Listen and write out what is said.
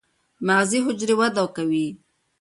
مغزي حجرې وده کوي.